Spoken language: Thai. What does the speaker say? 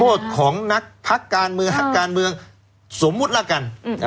ของนักพักการเมืองนักการเมืองสมมุติละกัน